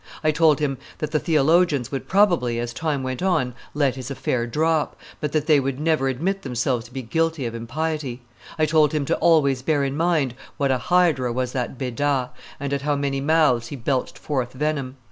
I told him that the theologians would probably, as time went on, let his affair drop, but that they would never admit themselves to be guilty of impiety. I told him to always bear in mind what a hydra was that Beda, and at how many mouths he belched forth venom.